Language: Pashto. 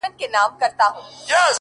د سترگو د ملا خاوند دی!